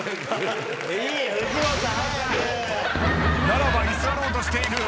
ならば居座ろうとしている。